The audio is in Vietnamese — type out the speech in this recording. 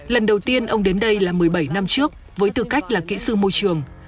lần đầu tiên ông đến đây là một mươi bảy năm trước với tư cách là kỹ sư môi trường